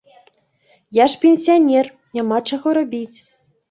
Я ж пенсіянер, няма чаго рабіць.